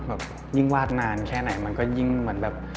แบบยิ่งวาดนานแค่ไหนมันก็ยิ่งเหมือนแบบ